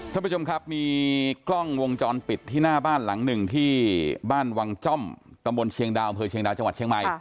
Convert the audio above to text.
ท่านผู้ชมครับมีกล้องวงจรปิดที่หน้าบ้านหลังหนึ่งที่บ้านวังจ้อมตำบลเชียงดาวอำเภอเชียงดาวจังหวัดเชียงใหม่